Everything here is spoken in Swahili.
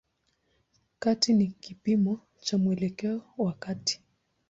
Kati ni kipimo cha mwelekeo wa kati.